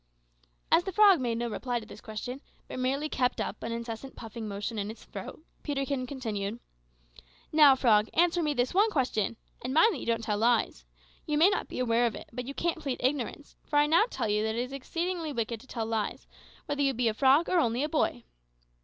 As the frog made no reply to this question, but merely kept up an incessant puffing motion in its throat, Peterkin continued "Now, frog, answer me this one question and mind that you don't tell lies you may not be aware of it, but you can't plead ignorance, for I now tell you that it is exceedingly wicked to tell lies, whether you be a frog or only a boy.